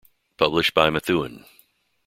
Published by Methuen.